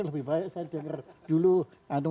lebih baik saya dengar dulu